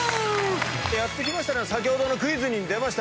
やって来たのは先ほどのクイズに出ました